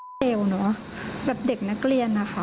ไม่เจ๋วนะเด็กนักเรียนนะคะ